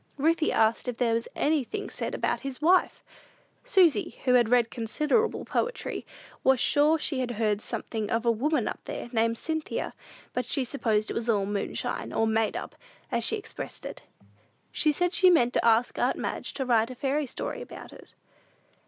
Ruthie asked if there was anything said about his wife! Susy, who had read considerable poetry was sure she had heard something of a woman up there, named "Cynthia;" but she supposed it was all "moonshine," or "made up," as she expressed it. She said she meant to ask her aunt Madge to write a fairy story about it.